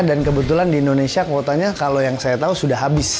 dan kebetulan di indonesia kuotanya kalau yang saya tahu sudah habis